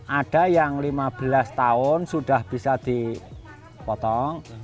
ada yang lima belas tahun sudah bisa dipotong